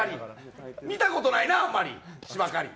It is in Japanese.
見たことないなあ、あんまり、芝刈り。